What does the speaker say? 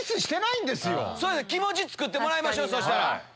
気持ちつくってもらいましょそしたら。